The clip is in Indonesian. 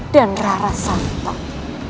dan rara santang